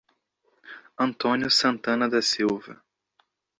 Antônio Santana da Silva